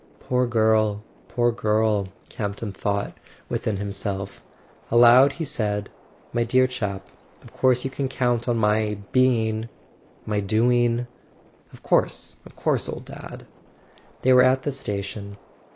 "Poor girl—poor girl!" Campton thought within himself. Aloud he said: "My dear chap, of course you can count on my being—my doing "[ 383 ] A SON AT THE FRONT "Of course, of course, old Dad." They were at the station.